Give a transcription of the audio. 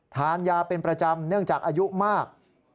ทานยาเป็นประจำเนื่องจากอายุมาก